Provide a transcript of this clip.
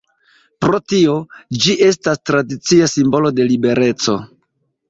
Pro tio, ĝi estas tradicia simbolo de libereco.